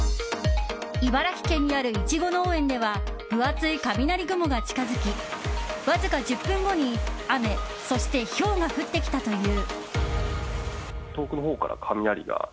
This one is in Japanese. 茨城県にあるイチゴ農園では分厚い雷雲が近づきわずか１０分後に雨そしてひょうが降ってきたという。